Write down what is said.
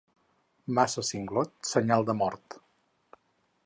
Massa singlot, senyal de mort.